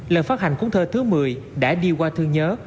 lần phát hành cuốn thơ thứ một mươi đã đi qua thương nhớ